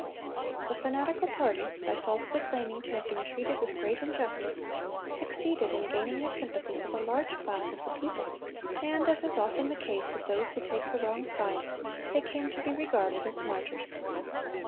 The fanatical party, by falsely claiming to have been treated with great injustice, succeeded in gaining the sympathies of a large class of the people, and, as is often the case with those who take the wrong side, they came to be regarded as martyrs.